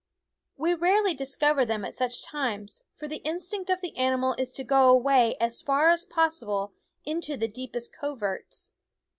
We rarely discover them at such times, for the instinct of the animal is to go away as far as possible into the deepest coverts.